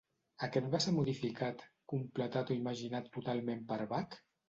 Aquest va ser modificat, completat o imaginat totalment per Bach?